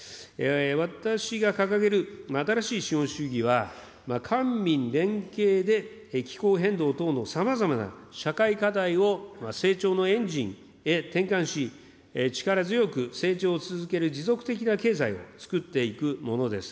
私が掲げる新しい資本主義は、官民連携で気候変動等のさまざまな社会課題を成長のエンジンへ転換し、力強く成長を続ける持続的な経済をつくっていくものです。